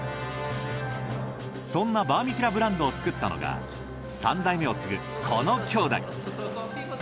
そんなバーミキュラブランドを作ったのが３代目を継ぐこの兄弟。